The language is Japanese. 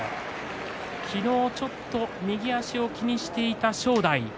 昨日、ちょっと右足を気にしていた正代。